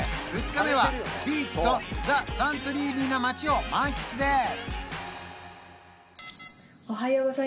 ２日目はビーチとザサントリーニな街を満喫です